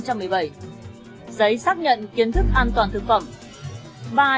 giấy xác nhận kiến thức an toàn thực phẩm